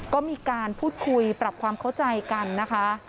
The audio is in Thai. ก็มีการพูดคุยปรับความเข้าใจกันนะคะ